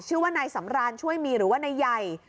ชื่อว่านายสำราญช่วยมีหรือว่านายใหญ่